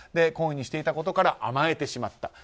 懇意にしていたことから甘えてしまった。